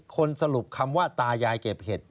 สรุปคำว่าตายายเก็บเห็ด